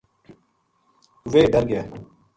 ویہ ڈر گیا